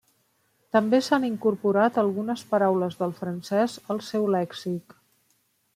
També s'han incorporat algunes paraules del francès al seu lèxic.